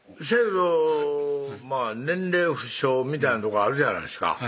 せやけど年齢不詳みたいなとこあるじゃないですか